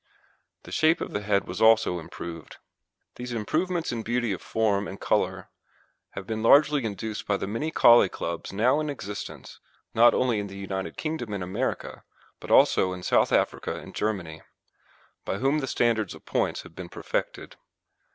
The shape of the head was also improved. These improvements in beauty of form and colour have been largely induced by the many Collie clubs now in existence not only in the United Kingdom and America, but also in South Africa and Germany, by whom the standards of points have been perfected.